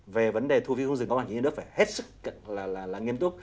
về vấn đề thu phí không dừng có bản quyết nhân đất phải hết sức là nghiêm túc